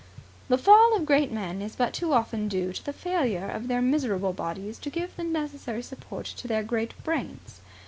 The fall of great men is but too often due to the failure of their miserable bodies to give the necessary support to their great brains.